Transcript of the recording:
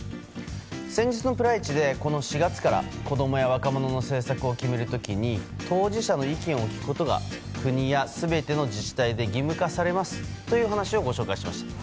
先日のプライチでこの４月から子供や若者の政策を決める時に当事者の意見を聞くことが国や全ての自治体で義務化されますという話をご紹介しました。